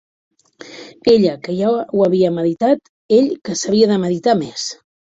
Ella, que ja ho havia meditat; ell, que s'havia de meditar més